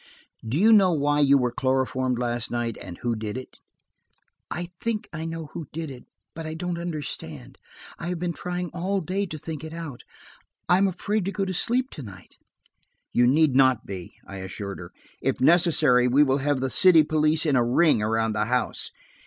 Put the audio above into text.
"Do you know why you were chloroformed last night, and who did it?" "I think I know who did it, but I don't understand. I have been trying all day to think it out. I'm afraid to go to sleep to night." "You need not be," I assured her "If necessary we will have the city police in a ring around the house.